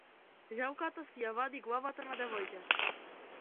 Желката си ја вади главата на девојче.